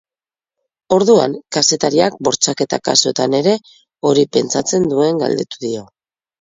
Orduan, kazetariak bortxaketa kasuetan ere hori pentsatzen duen galdetu dio.